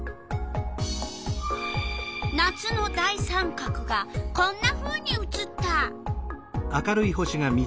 夏の大三角がこんなふうに写った！